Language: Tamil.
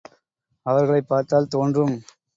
அவர்களைப் பார்த்தால் தோன்றும்.